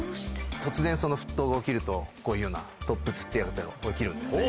突然、その沸騰が起きると、こういうような突沸というような現象が起きるんですね。